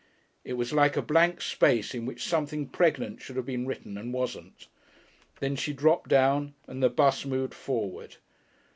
It was like a blank space in which something pregnant should have been written and wasn't. Then she dropped down, and the bus moved forward.